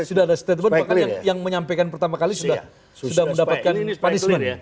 sudah ada statement bahkan yang menyampaikan pertama kali sudah mendapatkan punishment